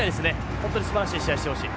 本当にすばらしい試合してほしい。